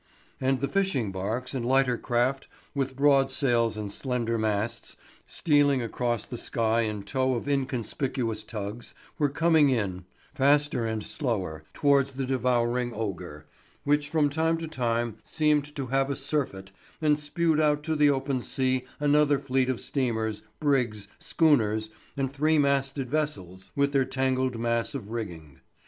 And the fishing barks and lighter craft with broad sails and slender masts, stealing across the sky in tow of inconspicuous tugs, were coming in, faster and slower, towards the devouring ogre, who from time to time seemed to have had a surfeit, and spewed out to the open sea another fleet of steamers, brigs, schooners, and three masted vessels with their tangled mass of rigging.